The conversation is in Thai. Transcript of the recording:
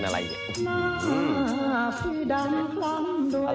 มาพี่ดำคลำด้วย